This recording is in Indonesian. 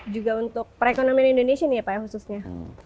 juga untuk perekonomian indonesia nih ya pak ya khususnya